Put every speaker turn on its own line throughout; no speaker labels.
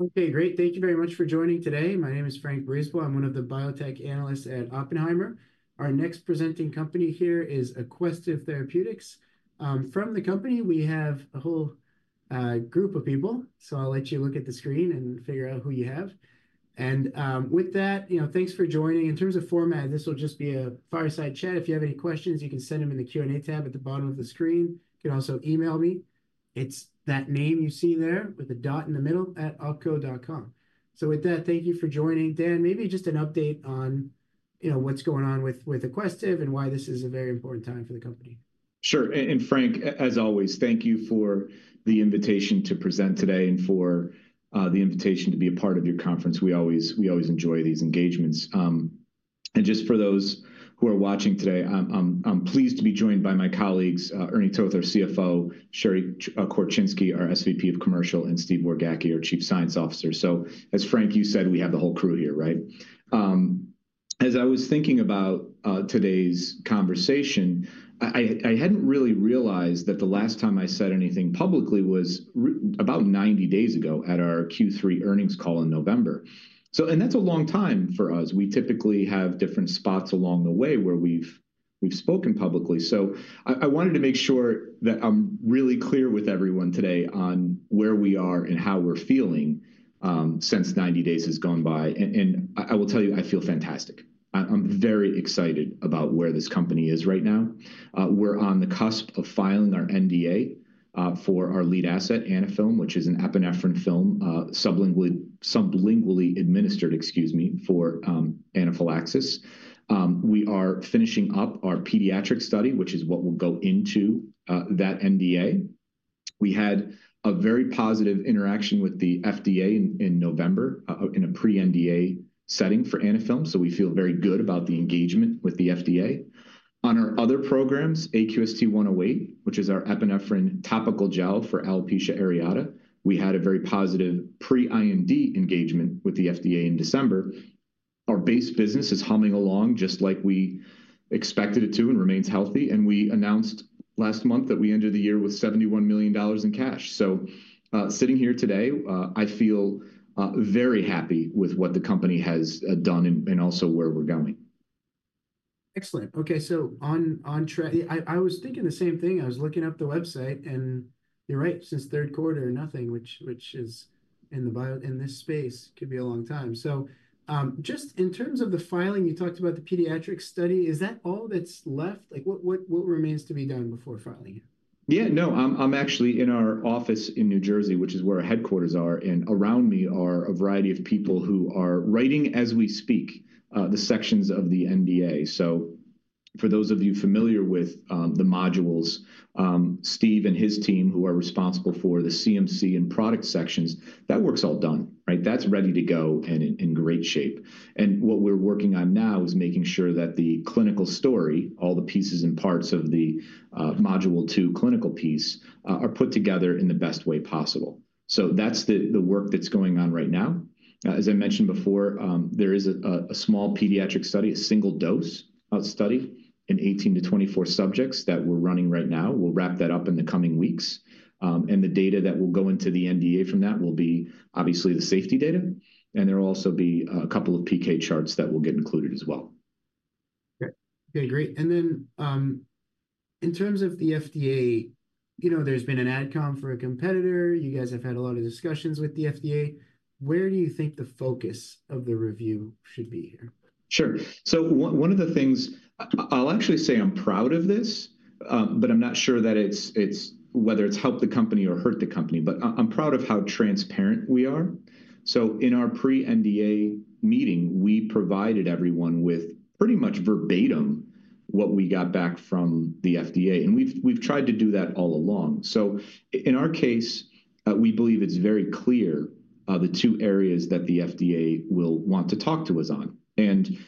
Okay, great. Thank you very much for joining today. My name is François Brisebois. I'm one of the Biotech Analysts at Oppenheimer. Our next presenting company here is Aquestive Therapeutics. From the company, we have a whole group of people, so I'll let you look at the screen and figure out who you have, and with that, you know, thanks for joining. In terms of format, this will just be a fireside chat. If you have any questions, you can send them in the Q&A tab at the bottom of the screen. You can also email me. It's that name you see there with the dot in the middle at opco.com. So with that, thank you for joining. Dan, maybe just an update on, you know, what's going on with Aquestive and why this is a very important time for the company.
Sure. And François, as always, thank you for the invitation to present today and for the invitation to be a part of your conference. We always enjoy these engagements. And just for those who are watching today, I'm pleased to be joined by my colleagues, Ernie Toth, our CFO, Sherry Korczynski, our SVP of Commercial, and Steve Wargacki, our Chief Science Officer. So, as François you said, we have the whole crew here, right? As I was thinking about today's conversation, I hadn't really realized that the last time I said anything publicly was about 90 days ago at our Q3 earnings call in November so and that's a long time for us. We typically have different spots along the way where we've spoken publicly. I wanted to make sure that I'm really clear with everyone today on where we are and how we're feeling since 90 days has gone by. And I will tell you, I feel fantastic. I'm very excited about where this company is right now. We're on the cusp of filing our NDA for our lead asset, Anaphylm, which is an epinephrine film sublingually administered, excuse me, for anaphylaxis. We are finishing up our pediatric study, which is what will go into that NDA. We had a very positive interaction with the FDA in November in a pre-NDA setting for Anaphylm, so we feel very good about the engagement with the FDA. On our other programs, AQST-108, which is our epinephrine topical gel for alopecia areata, we had a very positive pre-IND engagement with the FDA in December. Our base business is humming along just like we expected it to and remains healthy. We announced last month that we ended the year with $71 million in cash. Sitting here today, I feel very happy with what the company has done and also where we're going.
Excellent. Okay, so on track, I was thinking the same thing. I was looking up the website, and you're right, since third quarter or nothing, which is in this space, could be a long time. So just in terms of the filing, you talked about the pediatric study. Is that all that's left? Like, what remains to be done before filing it?
Yeah, no, I'm actually in our office in New Jersey, which is where our headquarters are, and around me are a variety of people who are writing as we speak the sections of the NDA. So for those of you familiar with the modules, Steve and his team, who are responsible for the CMC and product sections, that work's all done, right? That's ready to go and in great shape. And what we're working on now is making sure that the clinical story, all the pieces and parts of the Module 2 clinical piece, are put together in the best way possible. So that's the work that's going on right now. As I mentioned before, there is a small pediatric study, a single dose study in 18-24 subjects that we're running right now. We'll wrap that up in the coming weeks. And the data that will go into the NDA from that will be obviously the safety data. And there will also be a couple of PK charts that will get included as well.
Okay, great. And then in terms of the FDA, you know, there's been an AdCom for a competitor. You guys have had a lot of discussions with the FDA. Where do you think the focus of the review should be here?
Sure. So one of the things I'll actually say I'm proud of this, but I'm not sure that it's whether it's helped the company or hurt the company, but I'm proud of how transparent we are. So in our pre-NDA meeting, we provided everyone with pretty much verbatim what we got back from the FDA. And we've tried to do that all along. So in our case, we believe it's very clear the two areas that the FDA will want to talk to us on. And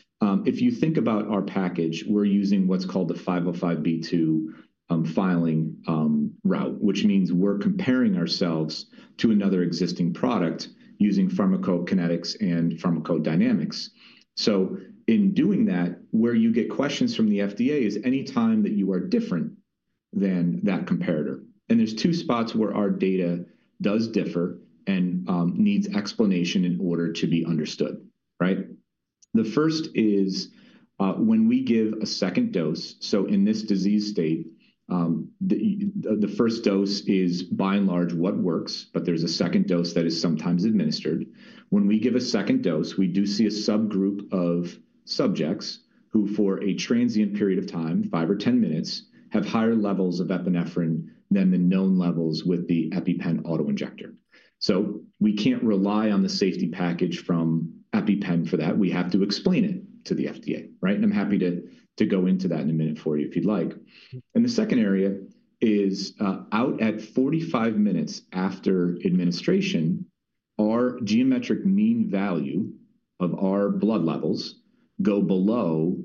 if you think about our package, we're using what's called the 505(b)(2) filing route, which means we're comparing ourselves to another existing product using pharmacokinetics and pharmacodynamics. So in doing that, where you get questions from the FDA is any time that you are different than that comparator. There's two spots where our data does differ and needs explanation in order to be understood, right? The first is when we give a second dose, so in this disease state, the first dose is by and large what works, but there's a second dose that is sometimes administered. When we give a second dose, we do see a subgroup of subjects who for a transient period of time, five or 10 minutes, have higher levels of epinephrine than the known levels with the EpiPen autoinjector. So we can't rely on the safety package from EpiPen for that. We have to explain it to the FDA, right? And I'm happy to go into that in a minute for you if you'd like. And the second area is out at 45 minutes after administration, our geometric mean value of our blood levels go below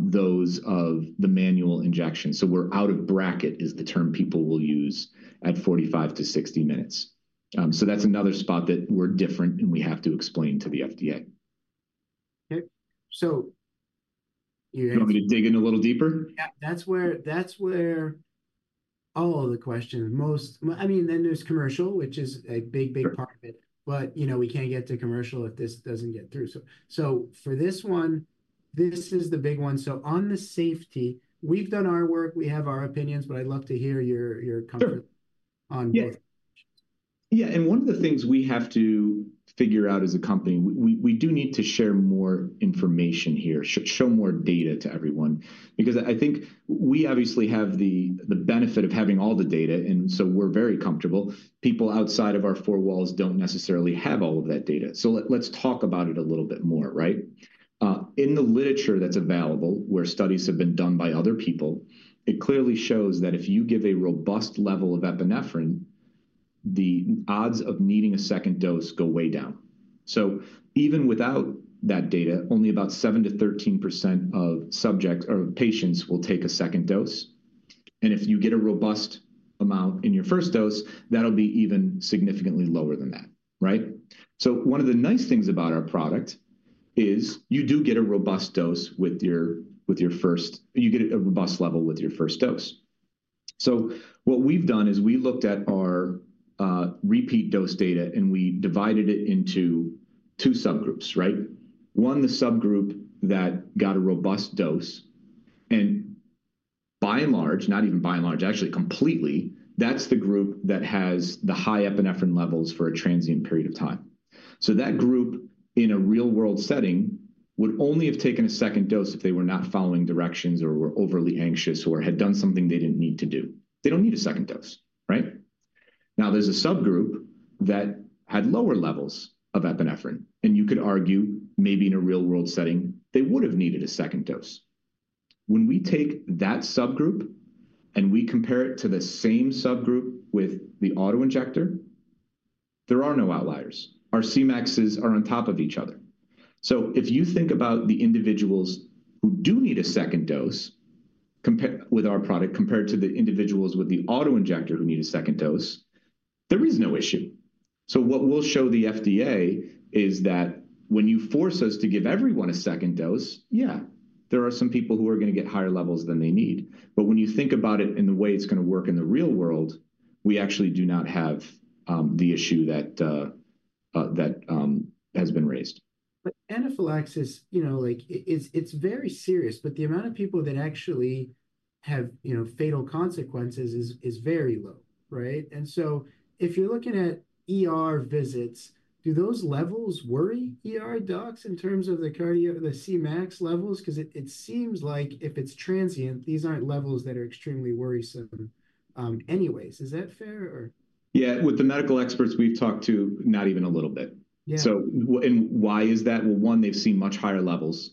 those of the manual injection. So we're out of bracket is the term people will use at 45 to 60 minutes. So that's another spot that we're different and we have to explain to the FDA.
Okay. So.
You want me to dig in a little deeper?
Yeah, that's where all of the questions, most, I mean, then there's commercial, which is a big, big part of it. But, you know, we can't get to commercial if this doesn't get through. So for this one, this is the big one. So on the safety, we've done our work, we have our opinions, but I'd love to hear your comfort on both.
Yeah, and one of the things we have to figure out as a company, we do need to share more information here, show more data to everyone, because I think we obviously have the benefit of having all the data, and so we're very comfortable. People outside of our four walls don't necessarily have all of that data. So let's talk about it a little bit more, right? In the literature that's available, where studies have been done by other people, it clearly shows that if you give a robust level of epinephrine, the odds of needing a second dose go way down. So even without that data, only about 7%-13% of subjects or patients will take a second dose. And if you get a robust amount in your first dose, that'll be even significantly lower than that, right? One of the nice things about our product is you do get a robust dose with your first. You get a robust level with your first dose. What we've done is we looked at our repeat dose data and we divided it into two subgroups, right? One, the subgroup that got a robust dose. And by and large, not even by and large, actually completely, that's the group that has the high epinephrine levels for a transient period of time. So that group in a real-world setting would only have taken a second dose if they were not following directions or were overly anxious or had done something they didn't need to do. They don't need a second dose, right? Now there's a subgroup that had lower levels of epinephrine, and you could argue maybe in a real-world setting, they would have needed a second dose. When we take that subgroup and we compare it to the same subgroup with the autoinjector, there are no outliers. Our Cmaxs are on top of each other. So if you think about the individuals who do need a second dose with our product compared to the individuals with the autoinjector who need a second dose, there is no issue. So what we'll show the FDA is that when you force us to give everyone a second dose, yeah, there are some people who are going to get higher levels than they need. But when you think about it in the way it's going to work in the real world, we actually do not have the issue that has been raised.
Anaphylaxis, you know, like it's very serious, but the amount of people that actually have, you know, fatal consequences is very low, right? And so if you're looking at visits, do those levels worry docs in terms of the Cmax levels? Because it seems like if it's transient, these aren't levels that are extremely worrisome anyways. Is that fair or?
Yeah, with the medical experts we've talked to, not even a little bit.
Yeah.
So why is that? Well, one, they've seen much higher levels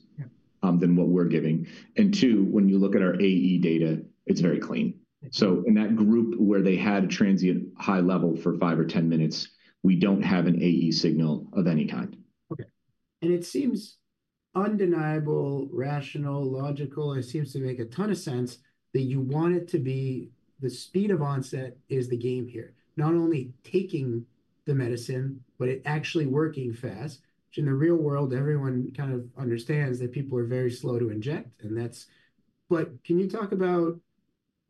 than what we're giving. And two, when you look at our AE data, it's very clean. So in that group where they had a transient high level for five or ten minutes, we don't have an AE signal of any kind.
Okay, it seems undeniable, rational, logical. It seems to make a ton of sense that you want it to be the speed of onset is the game here. Not only taking the medicine, but it actually working fast, which in the real world, everyone kind of understands that people are very slow to inject, but can you talk about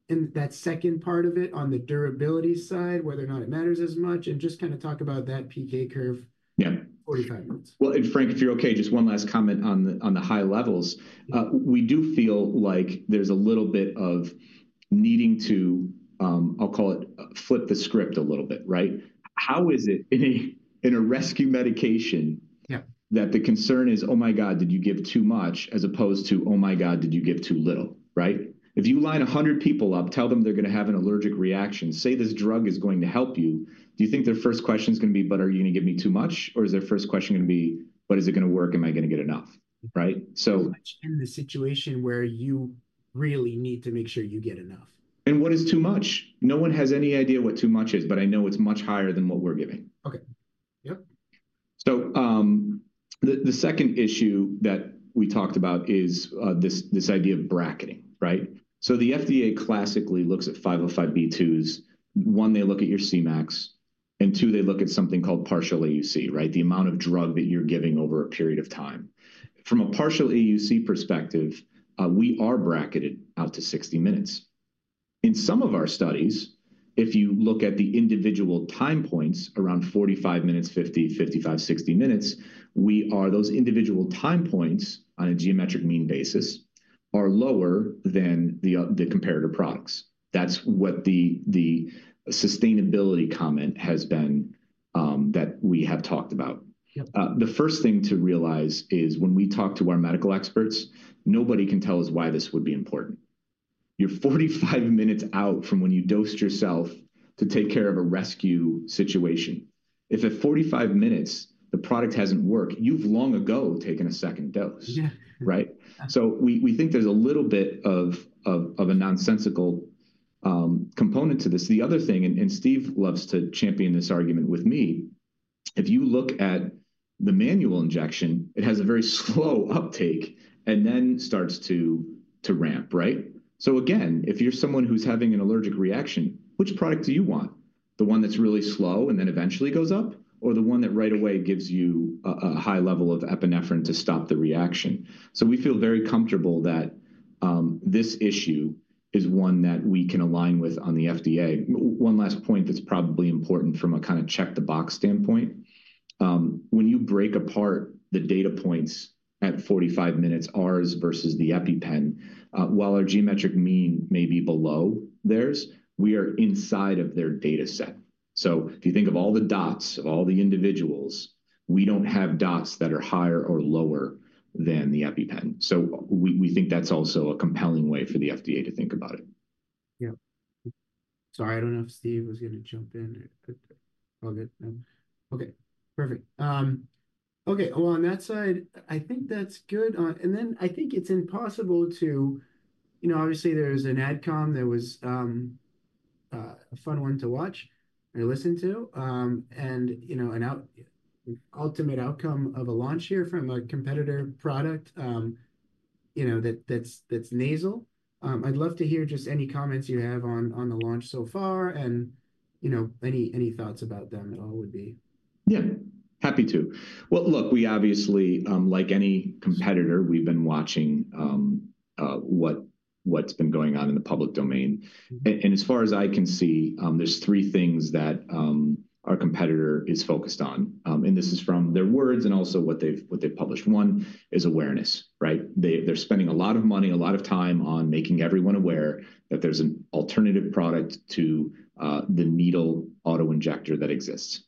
that second part of it on the durability side, whether or not it matters as much, and just kind of talk about that PK curve?
Yeah.
45 minutes.
And François, if you're okay, just one last comment on the high levels. We do feel like there's a little bit of needing to, I'll call it flip the script a little bit, right? How is it in a rescue medication that the concern is, "Oh my God, did you give too much?" as opposed to, "Oh my God, did you give too little?" Right? If you line 100 people up, tell them they're going to have an allergic reaction, say this drug is going to help you, do you think their first question is going to be, "But are you going to give me too much?" Or is their first question going to be, "But is it going to work? Am I going to get enough?" Right? So.
In the situation where you really need to make sure you get enough.
What is too much? No one has any idea what too much is, but I know it's much higher than what we're giving.
Okay. Yep.
So the second issue that we talked about is this idea of bracketing, right? The FDA classically looks at 505(b)(2)s. One, they look at your Cmax. And two, they look at something called partial AUC, right? The amount of drug that you're giving over a period of time. From a partial AUC perspective, we are bracketed out to 60 minutes. In some of our studies, if you look at the individual time points around 45 minutes, 50, 55, 60 minutes, we are those individual time points on a geometric mean basis are lower than the comparator products. That's what the sustainability comment has been that we have talked about. The first thing to realize is when we talk to our medical experts, nobody can tell us why this would be important. You're 45 minutes out from when you dosed yourself to take care of a rescue situation. If at 45 minutes, the product hasn't worked, you've long ago taken a second dose, right? So we think there's a little bit of a nonsensical component to this. The other thing, and Steve loves to champion this argument with me, if you look at the manual injection, it has a very slow uptake and then starts to ramp, right? So again, if you're someone who's having an allergic reaction, which product do you want? The one that's really slow and then eventually goes up, or the one that right away gives you a high level of epinephrine to stop the reaction? So we feel very comfortable that this issue is one that we can align with on the FDA. One last point that's probably important from a kind of check-the-box standpoint. When you break apart the data points at 45 minutes, ours versus the EpiPen, while our geometric mean may be below theirs, we are inside of their data set. So if you think of all the dots of all the individuals, we don't have dots that are higher or lower than the EpiPen. So we think that's also a compelling way for the FDA to think about it.
Yeah. Sorry, I don't know if Steve was going to jump in. I'll get him. Okay, perfect. Okay, well, on that side, I think that's good. And then I think it's impossible to, you know, obviously there's an AdCom that was a fun one to watch or listen to. And, you know, an ultimate outcome of a launch here from a competitor product, you know, that's nasal. I'd love to hear just any comments you have on the launch so far and, you know, any thoughts about them at all would be.
Yeah, happy to. Well, look, we obviously, like any competitor, we've been watching what's been going on in the public domain. And as far as I can see, there's three things that our competitor is focused on. And this is from their words and also what they've published. One is awareness, right? They're spending a lot of money, a lot of time on making everyone aware that there's an alternative product to the needle autoinjector that exists.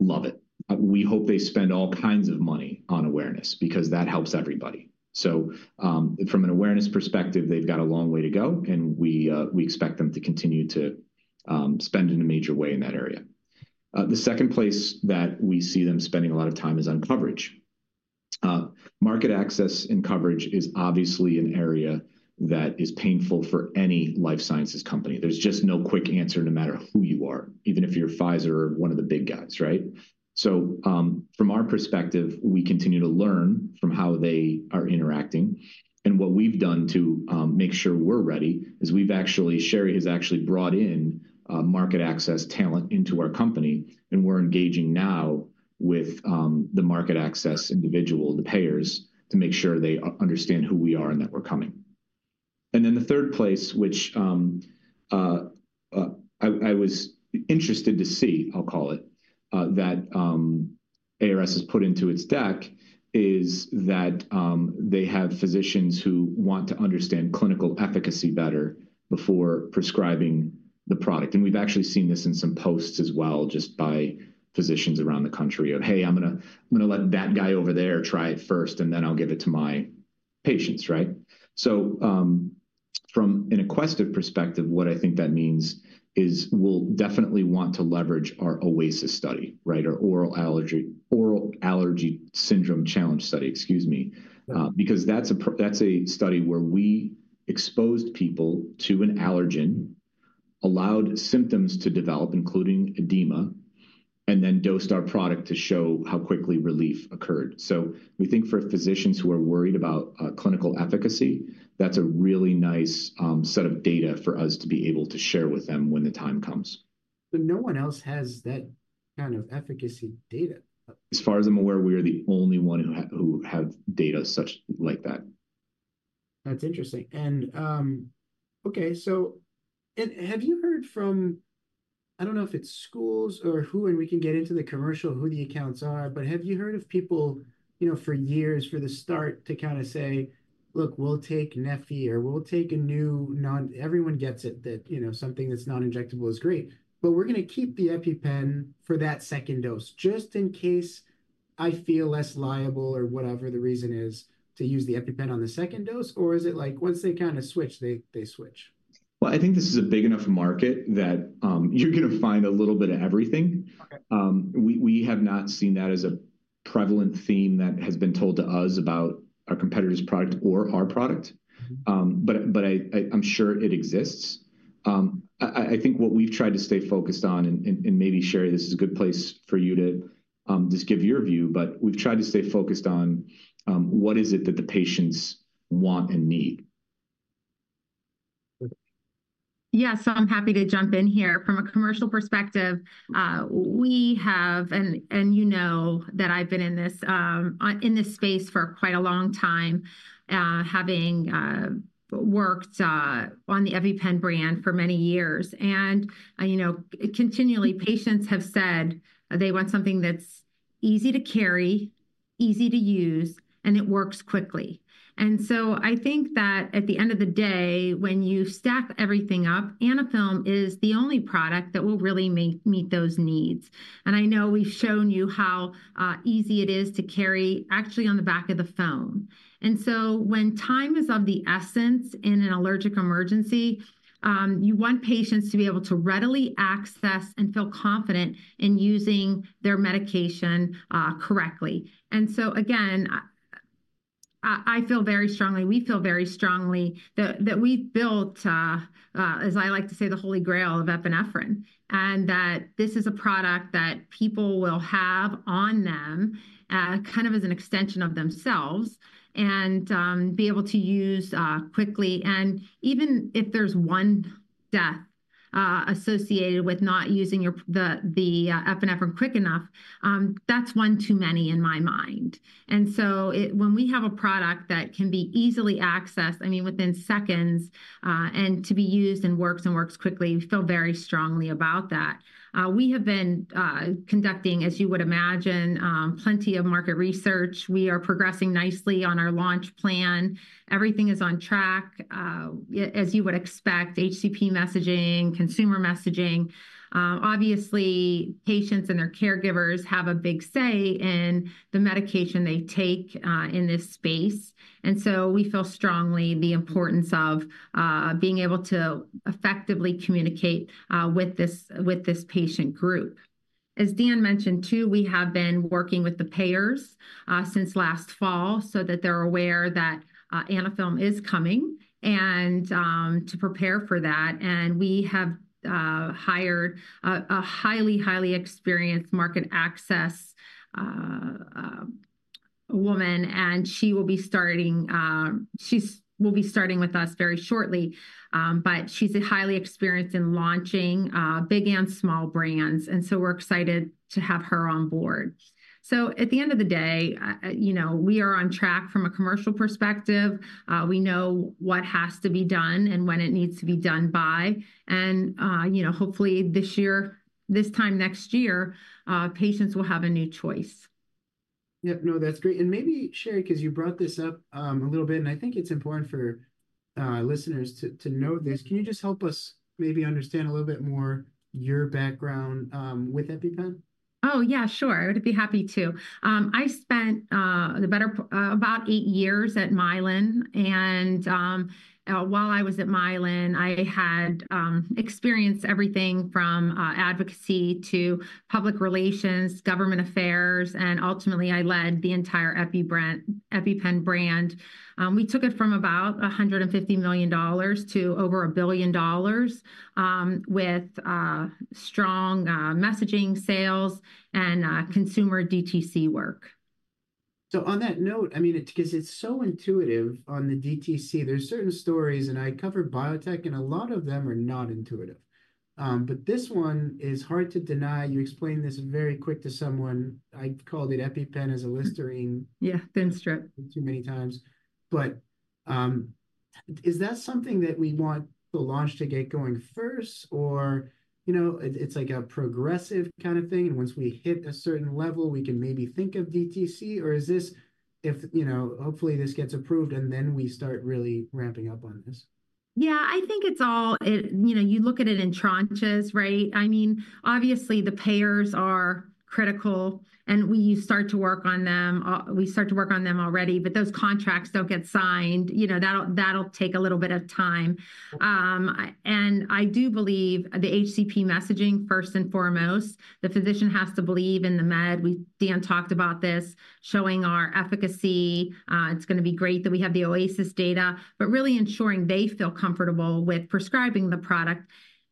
Love it. We hope they spend all kinds of money on awareness because that helps everybody. So from an awareness perspective, they've got a long way to go, and we expect them to continue to spend in a major way in that area. The second place that we see them spending a lot of time is on coverage. Market access and coverage is obviously an area that is painful for any life sciences company. There's just no quick answer no matter who you are, even if you're Pfizer or one of the big guys, right, so from our perspective, we continue to learn from how they are interacting, and what we've done to make sure we're ready is we've actually, Sherry has actually brought in market access talent into our company, and we're engaging now with the market access individual, the payers, to make sure they understand who we are and that we're coming, and then the third place, which I was interested to see, I'll call it, that ARS has put into its deck is that they have physicians who want to understand clinical efficacy better before prescribing the product. We've actually seen this in some posts as well just by physicians around the country of, "Hey, I'm going to let that guy over there try it first, and then I'll give it to my patients," right? From an Aquestive perspective, what I think that means is we'll definitely want to leverage our OAS study, right? Our Oral Allergy Syndrome challenge study, excuse me, because that's a study where we exposed people to an allergen, allowed symptoms to develop, including edema, and then dosed our product to show how quickly relief occurred. We think for physicians who are worried about clinical efficacy, that's a really nice set of data for us to be able to share with them when the time comes.
But no one else has that kind of efficacy data.
As far as I'm aware, we are the only one who have data such like that.
That's interesting. And okay, so have you heard from, I don't know if it's schools or who, and we can get into the commercial who the accounts are, but have you heard of people, you know, for years from the start to kind of say, "Look, we'll take neffy or we'll take a new," everyone gets it that, you know, something that's non-injectable is great, but we're going to keep the EpiPen for that second dose just in case I feel less liable or whatever the reason is to use the EpiPen on the second dose, or is it like once they kind of switch, they switch?
I think this is a big enough market that you're going to find a little bit of everything. We have not seen that as a prevalent theme that has been told to us about our competitor's product or our product. But I'm sure it exists. I think what we've tried to stay focused on, and maybe Sherry, this is a good place for you to just give your view, but we've tried to stay focused on what is it that the patients want and need.
Yeah, so I'm happy to jump in here. From a commercial perspective, we have, and you know that I've been in this space for quite a long time, having worked on the EpiPen brand for many years. And, you know, continually patients have said they want something that's easy to carry, easy to use, and it works quickly. And so I think that at the end of the day, when you stack everything up, Anaphylm is the only product that will really meet those needs. And I know we've shown you how easy it is to carry actually on the back of the phone. And so when time is of the essence in an allergic emergency, you want patients to be able to readily access and feel confident in using their medication correctly. And so again, I feel very strongly, we feel very strongly that we've built, as I like to say, the holy grail of epinephrine, and that this is a product that people will have on them kind of as an extension of themselves and be able to use quickly. And even if there's one death associated with not using the epinephrine quick enough, that's one too many in my mind. And so when we have a product that can be easily accessed, I mean, within seconds, and to be used and works and works quickly, we feel very strongly about that. We have been conducting, as you would imagine, plenty of market research. We are progressing nicely on our launch plan. Everything is on track, as you would expect, HCP messaging, consumer messaging. Obviously, patients and their caregivers have a big say in the medication they take in this space. And so we feel strongly the importance of being able to effectively communicate with this patient group. As Dan mentioned too, we have been working with the payers since last fall so that they're aware that Anaphylm is coming and to prepare for that. And we have hired a highly, highly experienced market access woman, and she will be starting with us very shortly, but she's highly experienced in launching big and small brands. And so we're excited to have her on board. So at the end of the day, you know, we are on track from a commercial perspective. We know what has to be done and when it needs to be done by. And, you know, hopefully this year, this time next year, patients will have a new choice.
Yeah, no, that's great. And maybe Sherry, because you brought this up a little bit, and I think it's important for listeners to know this. Can you just help us maybe understand a little bit more your background with EpiPen?
Oh, yeah, sure. I would be happy to. I spent about eight years at Mylan, and while I was at Mylan, I had experienced everything from advocacy to public relations, government affairs, and ultimately I led the entire EpiPen brand. We took it from about $150 million to over $1 billion with strong messaging, sales, and consumer DTC work.
So on that note, I mean, because it's so intuitive on the DTC, there's certain stories and I covered biotech and a lot of them are not intuitive. But this one is hard to deny. You explained this very quick to someone. I called it EpiPen as a Listerine.
Yeah, thin strip.
Too many times. But is that something that we want the launch to get going first or, you know, it's like a progressive kind of thing? And once we hit a certain level, we can maybe think of DTC? Or is this, if, you know, hopefully this gets approved and then we start really ramping up on this?
Yeah, I think it's all, you know, you look at it in tranches, right? I mean, obviously the payers are critical and we start to work on them. We start to work on them already, but those contracts don't get signed. You know, that'll take a little bit of time. And I do believe the HCP messaging first and foremost, the physician has to believe in the med. Dan talked about this, showing our efficacy. It's going to be great that we have the OAS data, but really ensuring they feel comfortable with prescribing the product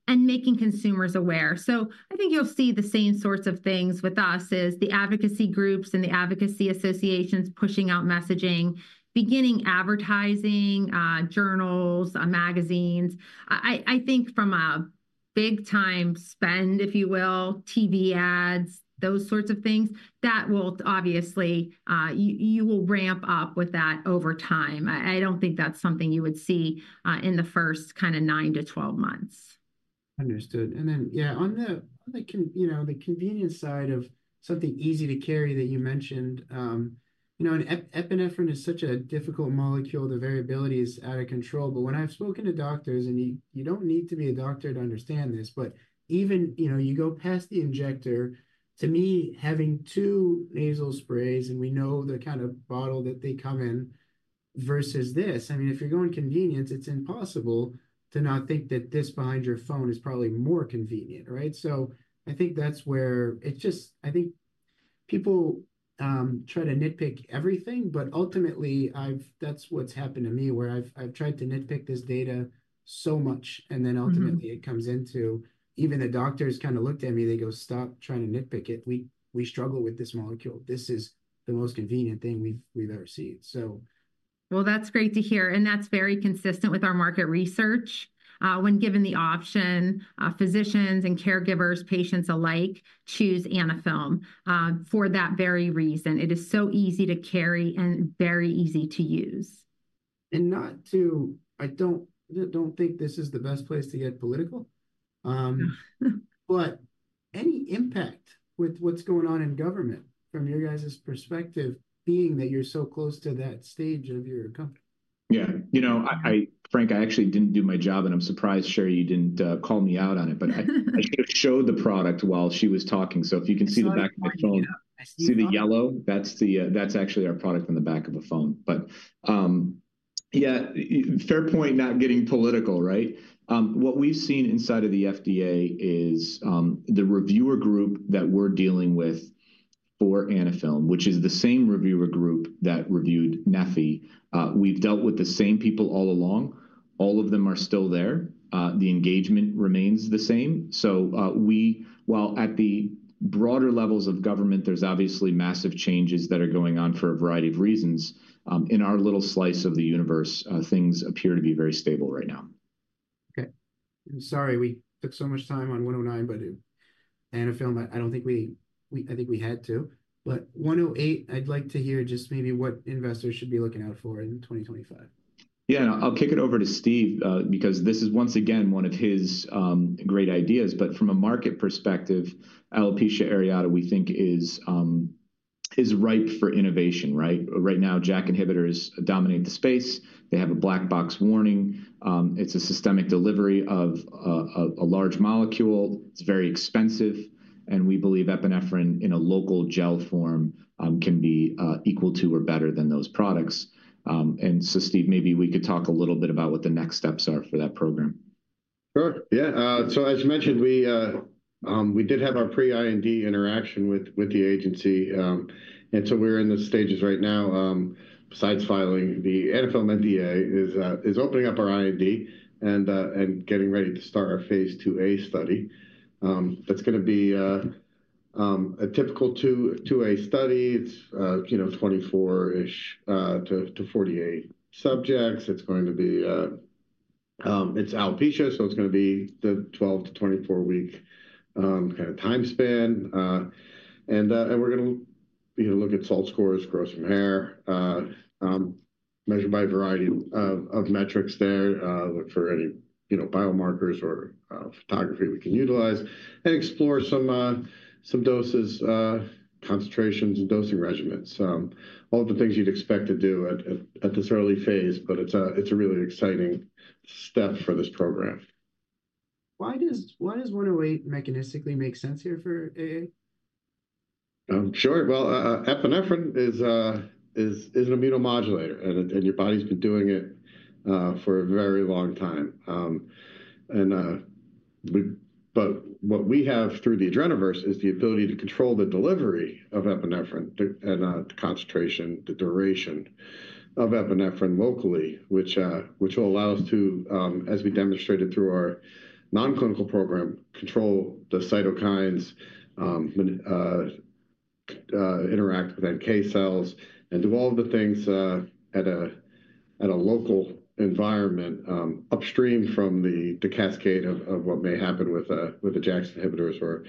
and making consumers aware. So I think you'll see the same sorts of things with us is the advocacy groups and the advocacy associations pushing out messaging, beginning advertising, journals, magazines. I think from a big-time spend, if you will, TV ads, those sorts of things, that will obviously you will ramp up with that over time. I don't think that's something you would see in the first kind of nine to twelve months.
Understood and then, yeah, on the, you know, the convenience side of something easy to carry that you mentioned, you know, and epinephrine is such a difficult molecule, the variability is out of control. But when I've spoken to doctors, and you don't need to be a doctor to understand this, but even, you know, you go past the injector, to me having two nasal sprays and we know the kind of bottle that they come in versus this, I mean, if you're going convenience, it's impossible to not think that this behind your phone is probably more convenient, right? I think that's where it's just. I think people try to nitpick everything, but ultimately that's what's happened to me where I've tried to nitpick this data so much and then ultimately it comes into even the doctors kind of looked at me, they go, "Stop trying to nitpick it. We struggle with this molecule. This is the most convenient thing we've ever seen.
That's great to hear. That's very consistent with our market research. When given the option, physicians and caregivers, patients alike choose Anaphylm for that very reason. It is so easy to carry and very easy to use.
I don't think this is the best place to get political, but any impact with what's going on in government from your guys' perspective being that you're so close to that stage of your company?
Yeah, you know, François, I actually didn't do my job and I'm surprised, Sherry, you didn't call me out on it, but I showed the product while she was talking. So if you can see the back of my phone, see the yellow, that's actually our product on the back of a phone. But yeah, fair point, not getting political, right? What we've seen inside of the FDA is the reviewer group that we're dealing with for Anaphylm, which is the same reviewer group that reviewed neffy. We've dealt with the same people all along. All of them are still there. The engagement remains the same. So while at the broader levels of government, there's obviously massive changes that are going on for a variety of reasons, in our little slice of the universe, things appear to be very stable right now.
Okay. I'm sorry we took so much time on 109, but Anaphylm, I don't think we, I think we had to, but 108, I'd like to hear just maybe what investors should be looking out for in 2025.
Yeah, and I'll kick it over to Steve because this is once again one of his great ideas. But from a market perspective, alopecia areata we think is ripe for innovation, right? Right now, JAK inhibitors dominate the space. They have a black box warning. It's a systemic delivery of a large molecule. It's very expensive. And we believe epinephrine in a local gel form can be equal to or better than those products. And so Steve, maybe we could talk a little bit about what the next steps are for that program.
Sure. Yeah. So as you mentioned, we did have our pre-IND interaction with the agency. And so we're in the stages right now, besides filing the Anaphylm NDA, opening up our IND and getting ready to start our phase II-A study. That's going to be a typical II-A study. It's, you know, 24-ish to 48 subjects. It's going to be, it's alopecia, so it's going to be the 12- to 24-week kind of time span. And we're going to look at SALT scores, growth from hair, measure by a variety of metrics there, look for any, you know, biomarkers or photography we can utilize, and explore some doses, concentrations, and dosing regimens. All the things you'd expect to do at this early phase, but it's a really exciting step for this program.
Why does AQST-108 mechanistically make sense here for AA?
Sure. Well, epinephrine is an immunomodulator and your body's been doing it for a very long time. But what we have through the Adrenoverse is the ability to control the delivery of epinephrine and the concentration, the duration of epinephrine locally, which will allow us to, as we demonstrated through our non-clinical program, control the cytokines, interact with NK cells, and do all the things at a local environment upstream from the cascade of what may happen with the JAKs inhibitors or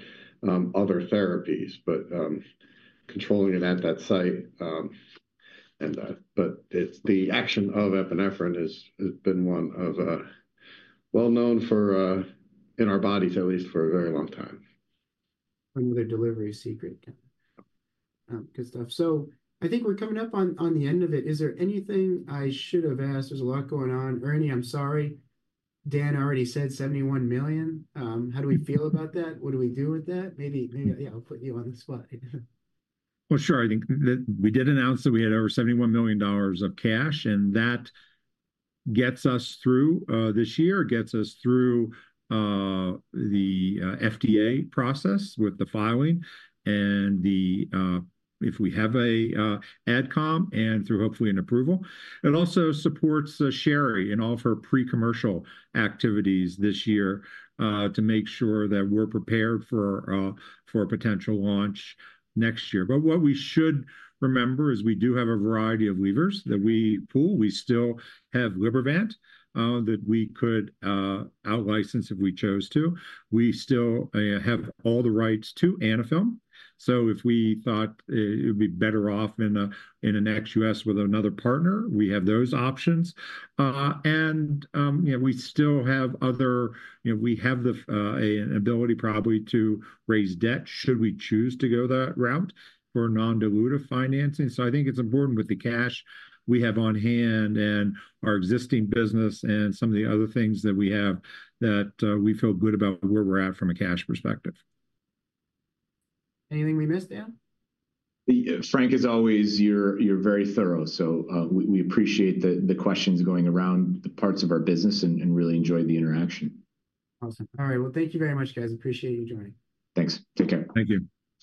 other therapies, but controlling it at that site. But the action of epinephrine has been well known in our bodies, at least for a very long time.
And the delivery secret. Good stuff. So I think we're coming up on the end of it. Is there anything I should have asked? There's a lot going on. Ernie, I'm sorry. Dan already said $71 million. How do we feel about that? What do we do with that? Maybe, yeah, I'll put you on the spot.
Sure. I think we did announce that we had over $71 million of cash and that gets us through this year, gets us through the FDA process with the filing and if we have an AdCom and through hopefully an approval. It also supports Sherry in all of her pre-commercial activities this year to make sure that we're prepared for a potential launch next year. But what we should remember is we do have a variety of levers that we pull. We still have Libervant that we could out-license if we chose to. We still have all the rights to Anaphylm. So if we thought it would be better off in an ex-US with another partner, we have those options. And we still have other, you know, we have the ability probably to raise debt should we choose to go that route for non-dilutive financing. So I think it's important with the cash we have on hand and our existing business and some of the other things that we have that we feel good about where we're at from a cash perspective.
Anything we missed, Dan?
François, as always, you're very thorough, so we appreciate the questions going around the parts of our business and really enjoyed the interaction.
Awesome. All right. Well, thank you very much, guys. Appreciate you joining.
Thanks. Take care.
Thank you.